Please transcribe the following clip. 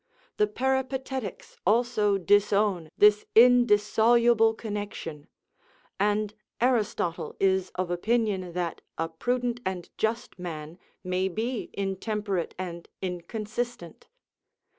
The Peripatetics also disown this indissoluble connection; and Aristotle is of opinion that a prudent and just man may be intemperate and inconsistent.